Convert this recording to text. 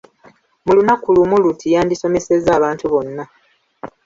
Mu lunaku lumu luti yandisomesezza abantu bonna.